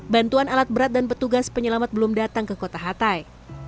bantuan alat berat dan petugas penyelamat belum datang ke kota hatai